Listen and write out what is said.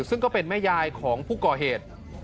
ซึ่งก็เป็นแม่ยายของผู้ก่อเหตุ